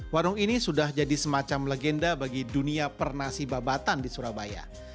warung ini sudah jadi semacam legenda bagi dunia pernasi babatan di surabaya